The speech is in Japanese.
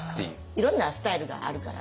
いろんなスタイルがあるから。